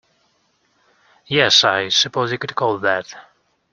Yes, I suppose you could call it that.